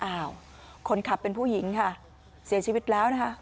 อ้าวคนขับเป็นผู้หญิงค่ะเสียชีวิตแล้วนะคะ